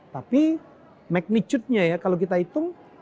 tapi magnitudenya ya kalau kita hitung